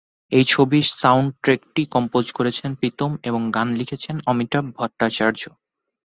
এই ছবির সাউণ্ড-ট্রেকটি কম্পোজ করেছেন প্রীতম এবং গান লিখেছেন অমিতাভ ভট্টাচার্য।